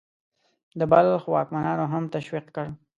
د بلخ واکمنانو هم تشویق کړ.